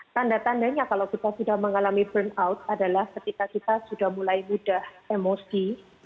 tanda tandanya kalau kita sudah mengalami burnout adalah ketika kita sudah mulai mudah emosi